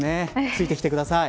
ついてきてください。